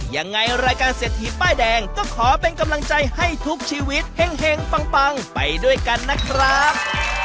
ยังไงรายการเศรษฐีป้ายแดงก็ขอเป็นกำลังใจให้ทุกชีวิตแห่งปังไปด้วยกันนะครับ